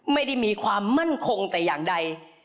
ไม่ได้มีความมั่นคงแต่อย่างใด